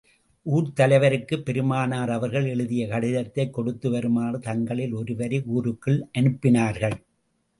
ஊர்த் தலைவருக்குப் பெருமானார் அவர்கள் எழுதிய கடிதத்தைக் கொடுத்து வருமாறு தங்களில் ஒருவரை ஊருக்குள் அனுப்பினார்கள்.